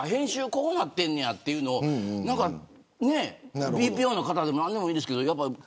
こうなってねんやというのをＢＰＯの方でも何でもいいんですけど。